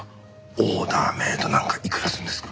オーダーメイドなんかいくらするんですか？